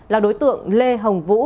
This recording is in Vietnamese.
là đối tượng lê hồng vũ